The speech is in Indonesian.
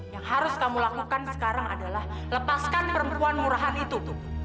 yang harus kamu lakukan sekarang adalah lepaskan perempuan murahan itu tuh